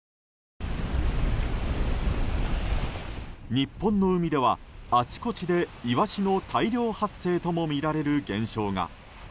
日本の海では、あちこちでイワシの大量発生ともみられる現象が。